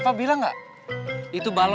hai consah cewek